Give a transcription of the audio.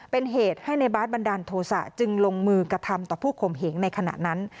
เป็นเหตุให้ในบาร์ดบันดาลโทษะจึงลงมือกระทำต่อผู้ข่มเหงในขณะนั้น